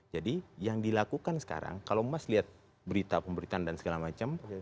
jadi yang dilakukan sekarang kalau mas lihat berita pemberitaan dan segala macam